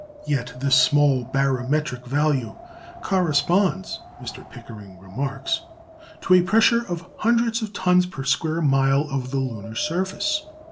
Yet this small barometric value corresponds, Mr. Pickering remarks, "to a pressure of hundreds of tons per square mile of the lunar surface."